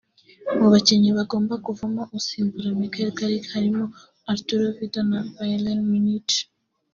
Mu bakinnyi bagomba kuvamo usimbura Micheal Carrick harimo Arturo Vidal wa Bayern Munich